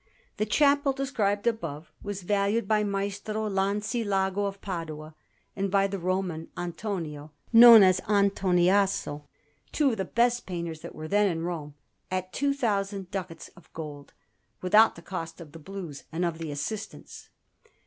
The chapel described above was valued by Maestro Lanzilago of Padua and by the Roman Antonio, known as Antoniasso, two of the best painters that were then in Rome, at 2,000 ducats of gold, without the cost of the blues and of the assistants.